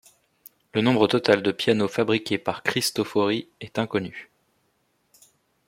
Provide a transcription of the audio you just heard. Le nombre total de pianos fabriqués par Cristofori est inconnu.